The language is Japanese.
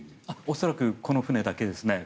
恐らくこの船だけですね。